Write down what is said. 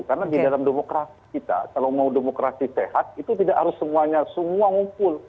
karena di dalam demokrasi kita kalau mau demokrasi sehat itu tidak harus semuanya semua ngumpul